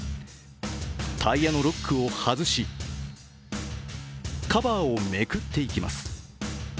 タイヤのロックを外し、カバーをめくっていきます。